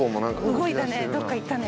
動いたね